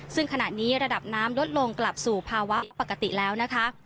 ซึ่งขณะนี้ระดับน้ำลดลงกลับสู่ภาวะปกติแล้วนะคะ